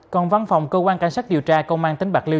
còn văn phòng cơ quan cảnh sát điều tra công an tỉnh bạc liêu